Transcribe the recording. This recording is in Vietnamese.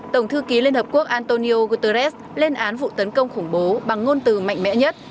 tổng thư ký liên hợp quốc antonio guterres lên án vụ tấn công khủng bố bằng ngôn từ mạnh mẽ nhất